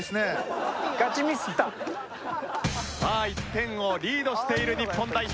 さあ１点をリードしている日本代表。